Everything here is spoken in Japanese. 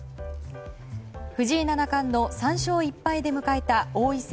藤井七冠の３勝１敗で迎えた王位戦